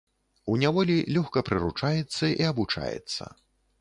У няволі лёгка прыручаецца і абучаецца.